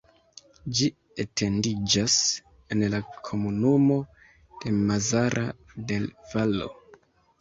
Ĝi etendiĝas en la komunumo de Mazara del Vallo.